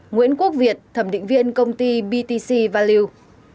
chín nguyễn quốc việt thẩm định viên công ty btc values